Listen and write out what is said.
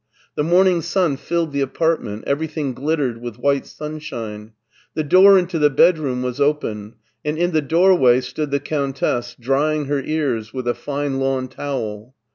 The morning sun filled the apartment, everything glittered with white sunshine. The door into the bedroom was open, and in the doorway stood the Countess, drying her ears with a fine lawn towel.